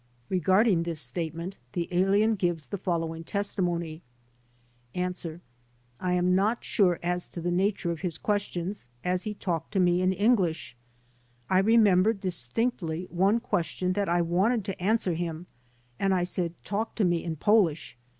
Regarding this statement the alien gives the following testimony : A "I am not sure as to the nature of his questions, as he talked to me in English. I remember distinctly one question that I wanted to answer him and I said 'talk to me in Polish.'